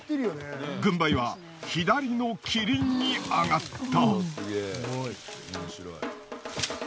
軍配は左のキリンに上がった。